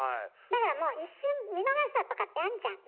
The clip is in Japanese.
だからもう一瞬見逃したとかってあんじゃん？